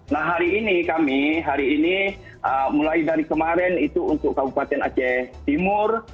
nah hari ini kami hari ini mulai dari kemarin itu untuk kabupaten aceh timur